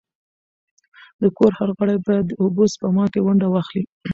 د کور هر غړی باید د اوبو سپما کي ونډه واخلي.